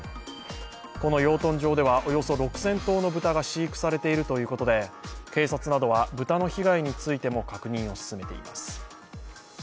この養豚場ではおよそ６０００頭の豚が飼育されているということで警察などは豚の被害についても確認を進めていきます。